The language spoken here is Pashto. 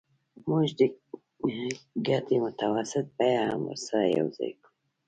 موږ د ګټې متوسطه بیه هم ورسره یوځای کوو